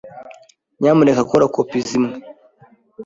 Nyamuneka kora kopi zimwe.